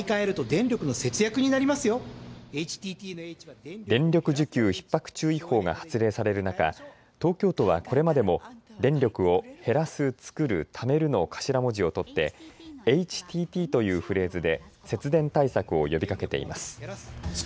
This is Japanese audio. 電力需給ひっ迫注意報が発令される中、東京都はこれまでも電力をへらす、つくる、ためるの頭文字を取ってＨＴＴというフレーズで節電対策を呼びかけています。